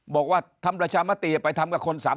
บอกว่าทำประชามติไปทำกับคน๓๐